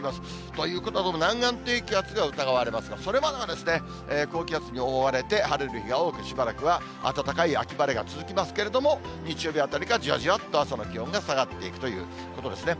ということは、南岸低気圧が疑われますが、それまでは高気圧に覆われて、晴れる日が多く、しばらくは暖かい秋晴れが続きますけれども、日曜日あたりからじわじわっと朝の気温が下がっていくということですね。